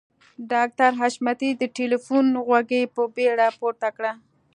ډاکټر حشمتي د ټليفون غوږۍ په بیړه پورته کړه.